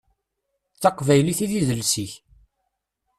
D taqbaylit i d idles-ik.